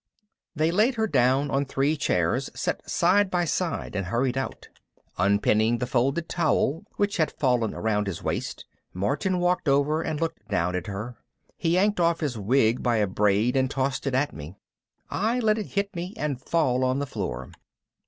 _ They laid her down on three chairs set side by side and hurried out. Unpinning the folded towel, which had fallen around his waist, Martin walked over and looked down at her. He yanked off his wig by a braid and tossed it at me. I let it hit me and fall on the floor.